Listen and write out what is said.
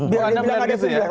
biar dia bilang ada pemilihan